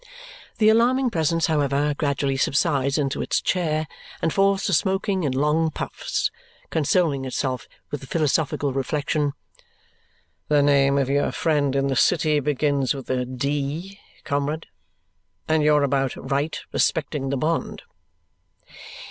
The alarming presence, however, gradually subsides into its chair and falls to smoking in long puffs, consoling itself with the philosophical reflection, "The name of your friend in the city begins with a D, comrade, and you're about right respecting the bond."